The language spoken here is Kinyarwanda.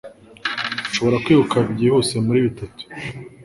Nshobora kwiruka byihuse muri bitatu